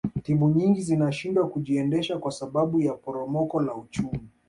timu nyingi zinashindwa kujiendesha kwa sababu ya poromoko la uchumi